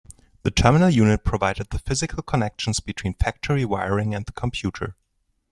The Terminal Unit provided the physical connections between factory wiring and the computer.